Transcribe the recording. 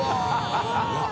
うわっ。